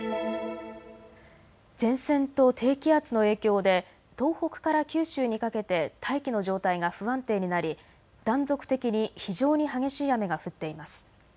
前線と低気圧の影響で東北から九州にかけて大気の状態が不安定になり断続的に非常に激しい雨が降っています。